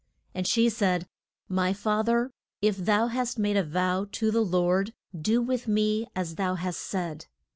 And she said, My fath er, if thou hast made a vow to the Lord, do with me as thou hast said.